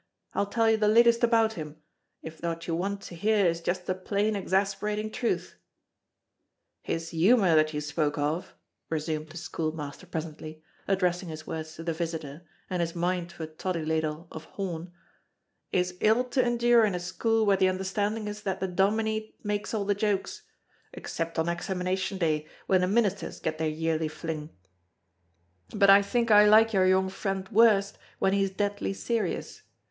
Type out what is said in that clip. I'll tell you the latest about him if what you want to hear is just the plain exasperating truth. "His humor that you spoke of," resumed the school master presently, addressing his words to the visitor, and his mind to a toddy ladle of horn, "is ill to endure in a school where the understanding is that the dominie makes all the jokes (except on examination day, when the ministers get their yearly fling), but I think I like your young friend worst when he is deadly serious.